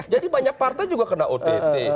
banyak partai juga kena ott